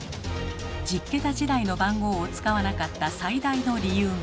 １０桁時代の番号を使わなかった最大の理由が。